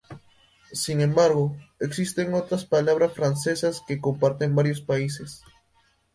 Sin embargo, existen otras palabras francesas que comparten varios países.